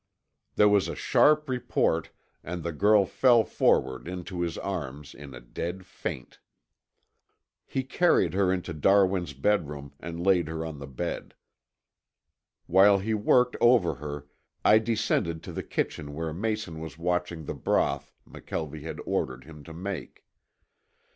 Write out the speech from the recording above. There was a sharp report, and the girl fell forward into his arms in a dead faint. He carried her into Darwin's bedroom and laid her on the bed. While he worked over her, I descended to the kitchen where Mason was watching the broth McKelvie had ordered him to make.